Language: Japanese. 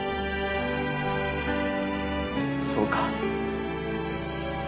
そうか。